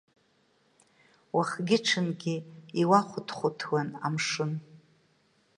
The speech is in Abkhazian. Уахгьы-ҽынгьы иуахәыҭхәыҭуан амшын.